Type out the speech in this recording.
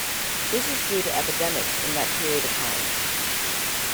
This is due to epidemics in that period of time.